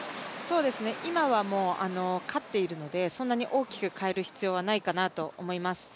今は、勝っているのでそんなに大きく変える必要はないかなと思います。